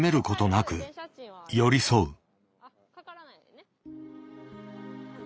ことなく寄り添う。